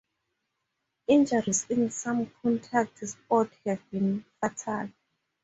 Injuries in some contact sports have been fatal.